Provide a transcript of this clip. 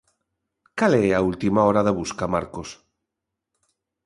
Cal é a última hora da busca, Marcos?